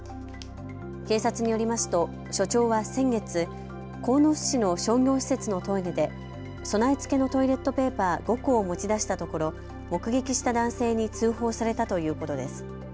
警察によりますと署長は先月、鴻巣市の商業施設のトイレで備え付けのトイレットペーパー５個を持ち出したところ目撃した男性に通報されたということです。